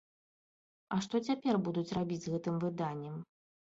А што цяпер будуць рабіць з гэтым выданнем?